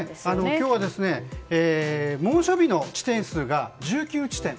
今日は猛暑日の地点数が１９地点。